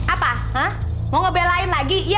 apa mau ngebelain lagi